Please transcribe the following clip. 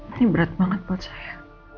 ini berat banget buat saya